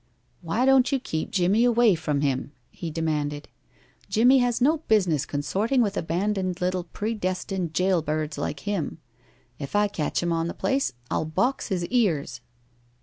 "Why don't you keep Jimmie away from him?" he demanded. "Jimmie has no business consorting with abandoned little predestined jail birds like him. If I catch him on the place I'll box his ears."